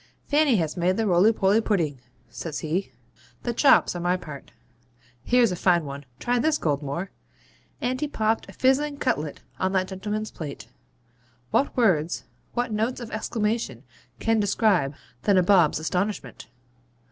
Fanny has made the roly poly pudding,' says he; the chops are my part. Here's a fine one; try this, Goldmore.' And he popped a fizzing cutlet on that gentleman's plate. What words, what notes of exclamation can describe the nabob's astonishment?